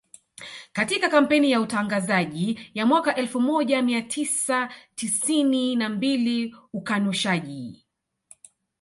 Katika kampeni ya utangazaji ya mwaka elfu moja mia tisa tisini na mbili ukanushaji